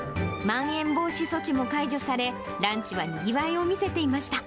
まん延防止措置も解除され、ランチはにぎわいを見せていました。